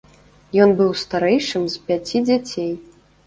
Ён быў старэйшым з пяці дзяцей.